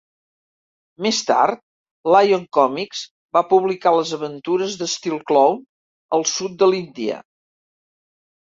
Més tard, Lion Comics va publicar les aventures de Steel Claw al sud de l'Índia.